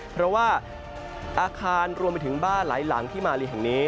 เพราะว่าอาคารรวมไปถึงบ้านหลายหลังที่มาลีแห่งนี้